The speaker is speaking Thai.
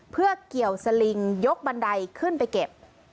เพื่อเกี่ยวสลิงยกบันไดขึ้นไปเก็บ